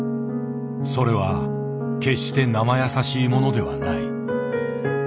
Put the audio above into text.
それは決してなまやさしいものではない。